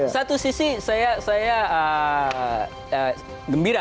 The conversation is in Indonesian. satu sisi saya gembira